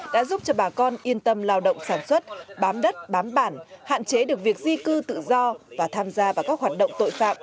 đã giúp cho bà con yên tâm lao động sản xuất bám đất bám bản hạn chế được việc di cư tự do và tham gia vào các hoạt động tội phạm